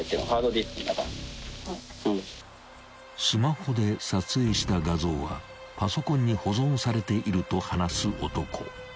［スマホで撮影した画像はパソコンに保存されていると話す男］